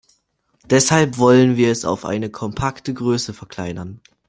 Deshalb wollen wir es auf eine kompakte Größe verkleinern.